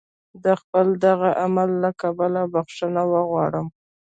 د خپل دغه عمل له کبله بخښنه وغواړي.